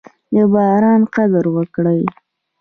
د باران قدر وکړئ.